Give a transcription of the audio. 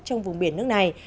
trong vùng biển nước này